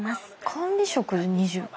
管理職で２０か。